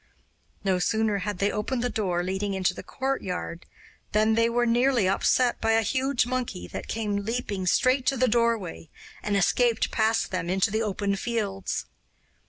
No sooner had they opened the door leading into the courtyard than they were nearly upset by a huge monkey that came leaping straight to the doorway and escaped past them into the open fields.